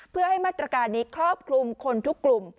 เพื่อให้มาตรการนี้ครอบคลุมคนทุกกลุ่ม